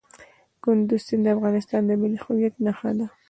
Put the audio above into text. کندز سیند د افغانستان د ملي هویت نښه ده.